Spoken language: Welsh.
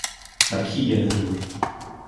Mae ci yn y dŵr.